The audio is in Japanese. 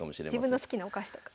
自分の好きなお菓子とか。